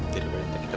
jadi kita berantem